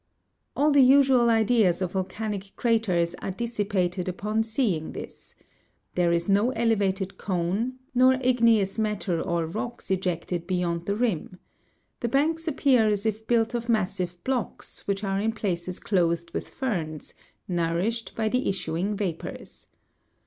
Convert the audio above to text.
"All the usual ideas of volcanic craters are dissipated upon seeing this. Tiierc is no elevated cone, no igneous matter or rocks ejected beyond the rim. The banks appear as if built of massive blocks, which are in places clothed with ferns, nourished by the issuing vapours.